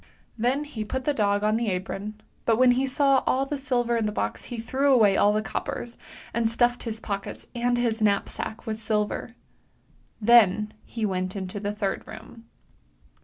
" Then he put the dog on the apron, but when he saw all the silver in the box he threw away all the coppers, and stuffed his pockets and his knapsack with silver. Then he w^ent into the third room.